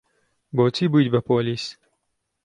بۆچی بوویت بە پۆلیس؟